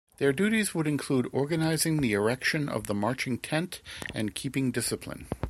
Their duties would include organising the erection of the marching tent and keeping discipline.